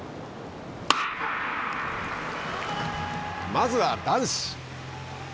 まずは男子。